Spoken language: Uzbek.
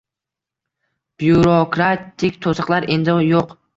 Byurokratik to‘siqlar endi yo‘qng